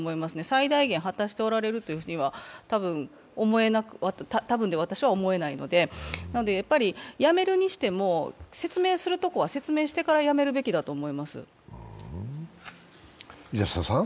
最大限果たしておられるというふうには、私は思えないのでやはり辞めるにしても、説明するとこは説明してから辞めるべきだと思います。